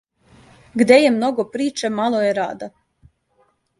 Где је много приче мало је рада.